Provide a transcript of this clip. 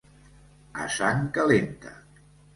A sang calenta.